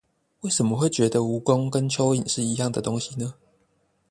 為什麼會覺得蜈蚣跟蚯蚓是一樣的東西呢？